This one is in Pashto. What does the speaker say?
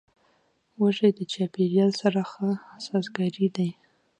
وزې د چاپېریال سره ښه سازګارې دي